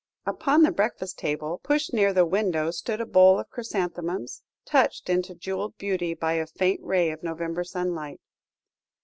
Upon the breakfast table, pushed near the window, stood a bowl of chrysanthemums, touched into jewelled beauty by a faint ray of November sunlight.